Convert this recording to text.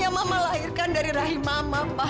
yang mama lahirkan dari rahim mama ma